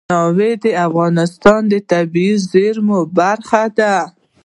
تنوع د افغانستان د طبیعي زیرمو برخه ده.